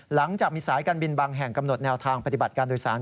หลังจากมีสายการบินบางแห่งกำหนดแนวทางปฏิบัติการโดยสาร